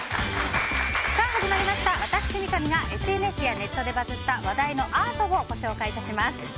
始まりました、私、三上がＳＮＳやネットでバズった話題のアートをご紹介致します。